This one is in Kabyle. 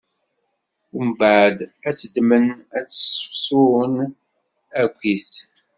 Umbeɛd ad tt-ddmen, ad tt-ssefsun akkit.